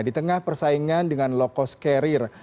di tengah persaingan dengan low cost carrier